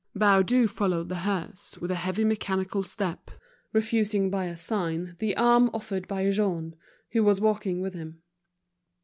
Baudu followed the hearse with a heavy mechanical step, refusing by a sign the arm offered by Jean, who was walking with him.